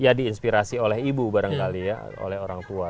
ya diinspirasi oleh ibu barangkali ya oleh orang tua